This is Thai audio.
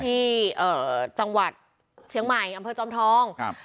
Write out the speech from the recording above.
ที่จังหวัดเชียงใหม่อำเภอจอมทองครับ